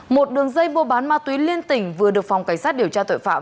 một đường dây mua bán ma túy liên tỉnh vừa được phòng cảnh sát điều tra tội phạm